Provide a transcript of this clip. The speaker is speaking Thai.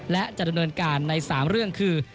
และจะดำเนินการใน๓เรื่องคือ